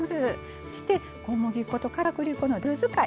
そして小麦粉とかたくり粉のダブル使い。